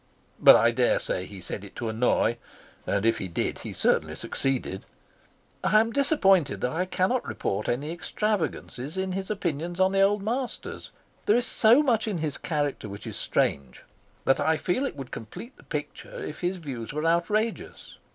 But I dare say he said it to annoy, and if he did he certainly succeeded. I am disappointed that I cannot report any extravagances in his opinions on the old masters. There is so much in his character which is strange that I feel it would complete the picture if his views were outrageous.